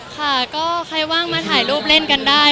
ค่ะก็ใครว่างมาถ่ายรูปเล่นกันได้